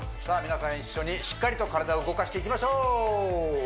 さあ皆さん一緒にしっかりと体を動かしていきましょう！